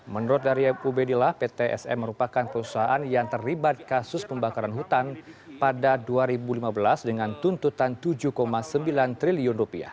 menurut dari ubedillah ptsm merupakan perusahaan yang terlibat kasus pembakaran hutan pada dua ribu lima belas dengan tuntutan rp tujuh sembilan triliun